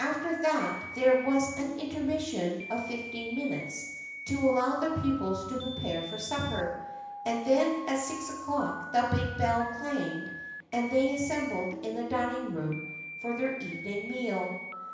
After that there was an intermission of fifteen minutes to allow the pupils to prepare for supper, and then at six o'clock the big bell clanged and they assembled in the dining room for their evening meal.